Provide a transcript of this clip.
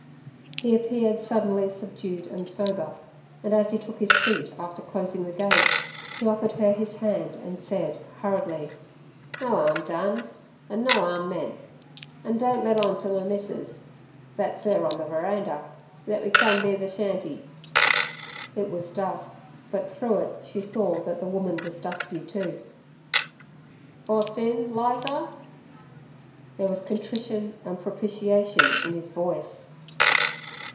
He appeared suddenly subdued and sober, and as he took his seat after closing the gate, he offered her his hand, and said, hurriedly, "No 'arm done, an' no 'arm meant; an' don't let on ter my missus thet's 'er on the verander thet we come be ther shanty." It was dusk, but through it she saw that the woman was dusky too. "Boss in, Lizer?" There was contrition and propitiation in his voice.